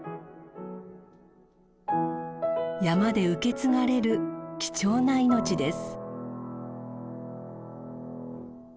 山で受け継がれる貴重な命です。